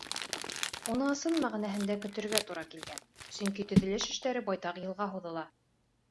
Уны ысын мәғәнәһендә көтөргә тура килгән, сөнки төҙөлөш эштәре байтаҡ йылға һуҙыла.